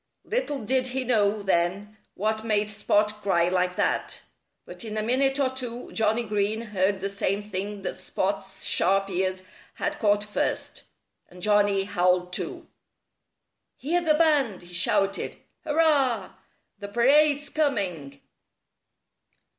Little did he know, then, what made Spot cry like that. But in a minute or two Johnnie Green heard the same thing that Spot's sharp ears had caught first. And Johnnie howled too. "Hear the band!" he shouted. "Hurrah! The parade's coming!"